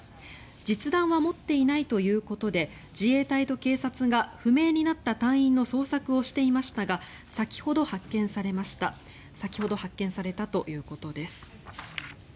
実弾は持っていないということで自衛隊と警察が不明になった隊員の捜索をしていましたが先ほど発見されたということです。